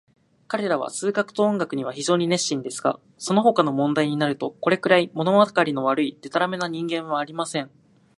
彼等は数学と音楽には非常に熱心ですが、そのほかの問題になると、これくらい、ものわかりの悪い、でたらめな人間はありません。